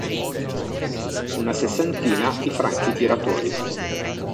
Una sessantina i franchi tiratori.